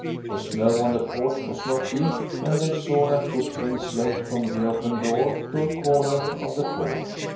The snow on the porch was not deep and they saw that footprints led from the open door to a corner of the porch.